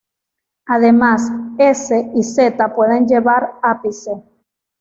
Además, 's' y 'z' pueden llevar ápice.